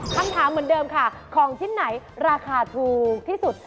คำถามเหมือนเดิมค่ะของชิ้นไหนราคาถูกที่สุด